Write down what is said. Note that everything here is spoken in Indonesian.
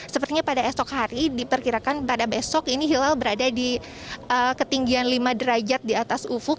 sepertinya pada esok hari diperkirakan pada besok ini hilal berada di ketinggian lima derajat di atas ufuk